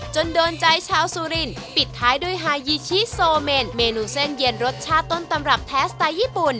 โดนใจชาวสุรินปิดท้ายด้วยฮายีชิโซเมนเมนูเส้นเย็นรสชาติต้นตำรับแท้สไตล์ญี่ปุ่น